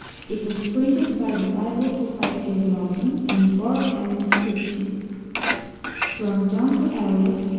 It was printed by the Bible Society of London, and bore an inscription: "From John to Alice.